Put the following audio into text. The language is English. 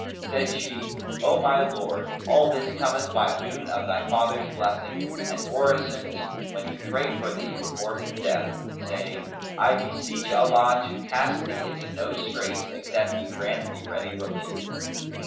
Said she, "O my lord, all this cometh by boon of thy father's blessing and orisons when he prayed for thee, before his death, saying, 'I beseech Allah to cast thee into no straits except He grant thee ready relief!'